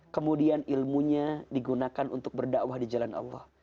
kemudian ilmunya digunakan untuk berdakwah di jalan allah